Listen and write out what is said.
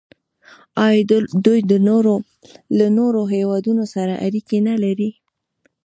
آیا دوی له نورو هیوادونو سره اړیکې نلري؟